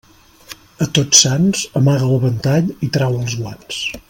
A Tots Sants, amaga el ventall i trau els guants.